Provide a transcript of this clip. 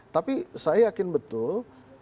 tapi saya yakin betul